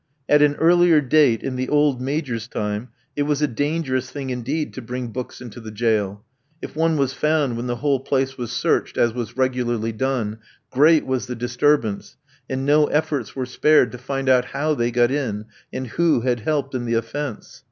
At an earlier date, in the old Major's time, it was a dangerous thing indeed to bring books into the jail. If one was found when the whole place was searched, as was regularly done, great was the disturbance, and no efforts were spared to find out how they got in, and who had helped in the offence.